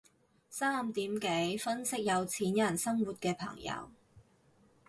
三點幾分析有錢人生活嘅朋友